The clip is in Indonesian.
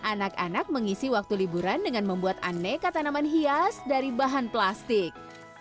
anak anak mengisi waktu liburan dengan membuat aneka tanaman hias dari bahan plastik